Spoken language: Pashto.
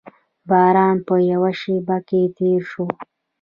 باران په یوه شېبه کې تېر شو.